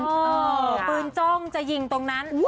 ฟื้นจังจะยิงตรงนั้น